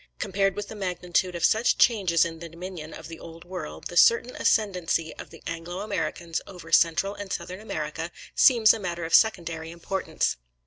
Compared with the magnitude of such changes in the dominion of the Old World, the certain ascendancy of the Anglo Americans over Central and Southern America, seems a matter of secondary importance.